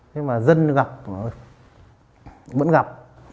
thế mà dân gặp vẫn gặp